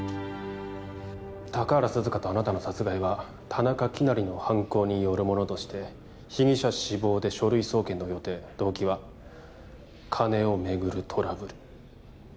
高原涼香とあなたの殺害は田中希也の犯行によるものとして被疑者死亡で書類送検の予定動機は金をめぐるトラブル